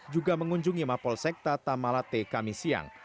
juga mengunjungi mapol sekta tamalate kami siang